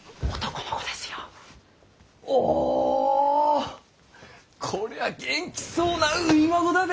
おぉこりゃ元気そうな初孫だで。